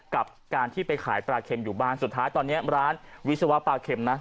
กับการที่ไปขายปลาเข็มอยู่บ้านสุดท้ายตอนนี้ร้านวิศวะปลาเข็มนะ